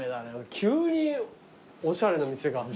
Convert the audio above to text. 急におしゃれな店が。